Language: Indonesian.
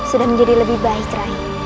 sudah menjadi lebih baik terakhir